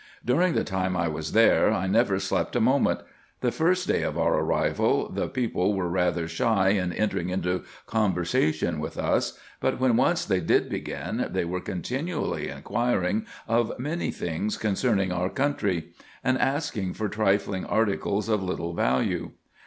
During the time I was there, I never slept a moment. The first day of our arrival, the people were rather shy in entering into conversation with us, but when once they did begin, they were continually inquiring of many things concerning our IN EGYPT, NUBIA, &c. 397 country, and asking for trifling articles of little value.